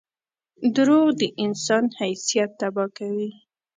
• دروغ د انسان حیثیت تباه کوي.